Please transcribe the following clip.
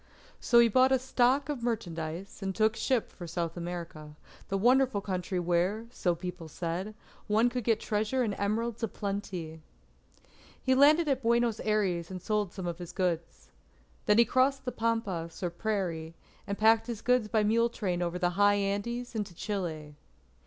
So he bought a stock of merchandise, and took ship for South America, the wonderful country, where, so people said, one could get treasure and emeralds a plenty. He landed at Buenos Aires, and sold some of his goods. Then he crossed the pampas, or prairie, and packed his goods by mule train over the high Andes into Chile.